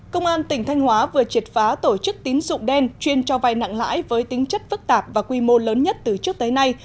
công an tỉnh thanh hóa vừa triệt phá tổ chức tín dụng đen chuyên cho vai nặng lãi với tính chất phức tạp và quy mô lớn nhất từ trước tới nay